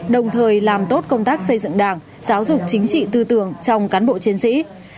đồng thời làm tốt công tác xây dựng đảng giáo dục chính trị tư tưởng trong cán bộ chiến sĩ